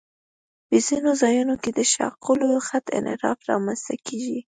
په ځینو ځایونو کې د شاقولي خط انحراف رامنځته کیږي